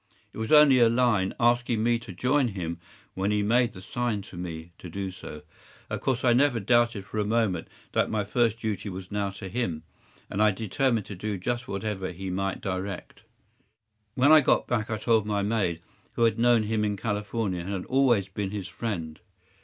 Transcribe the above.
It was only a line asking me to join him when he made the sign to me to do so. Of course I never doubted for a moment that my first duty was now to him, and I determined to do just whatever he might direct. “When I got back I told my maid, who had known him in California, and had always been his friend.